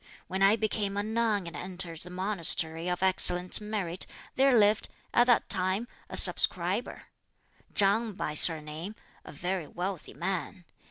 When I became a nun and entered the monastery of Excellent Merit, there lived, at that time, a subscriber, Chang by surname, a very wealthy man.